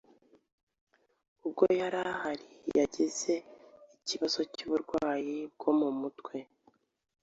Ubwo yari ahari yagize ikibazo cy’uburwayi bwo mu mutwe.